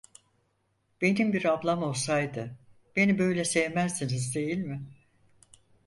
Benim bir ablam olsaydı beni böyle sevmezdiniz değil mi?